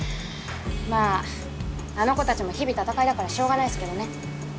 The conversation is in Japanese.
まああの子たちも日々戦いだからしょうがないっすけどね。